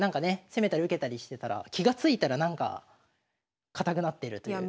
攻めたり受けたりしてたら気が付いたらなんか堅くなってるという。